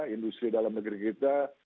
industri dalam negeri kita